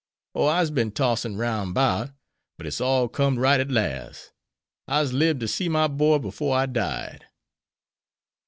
"O, I'se been tossin' roun' 'bout; but it's all com'd right at las'. I'se lib'd to see my boy 'fore I died."